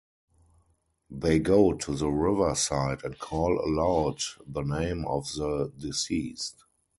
They go to the riverside and call aloud the name of the deceased.